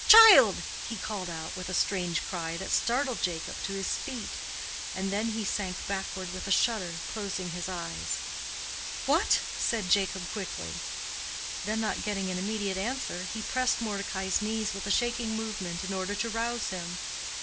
child!" he called out with a strange cry that startled Jacob to his feet, and then he sank backward with a shudder, closing his eyes. "What?" said Jacob, quickly. Then, not getting an immediate answer, he pressed Mordecai's knees with a shaking movement, in order to rouse him.